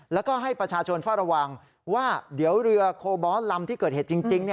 แล้วก็ให้ประชาชนเฝ้าระวังว่าเดี๋ยวเรือโคบอลลำที่เกิดเหตุจริง